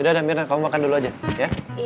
udah ada mirna kamu makan dulu aja ya